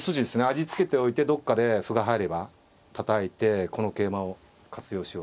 味付けておいてどっかで歩が入ればたたいてこの桂馬を活用しようという。